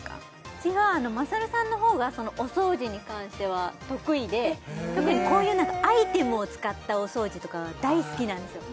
うちは優さんの方がお掃除に関しては得意で特にこういうアイテムを使ったお掃除とかが大好きなんですよ